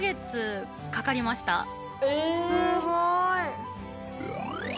すごい！